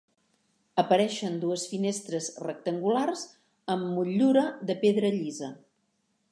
Apareixen dues finestres rectangulars amb motllura de pedra llisa.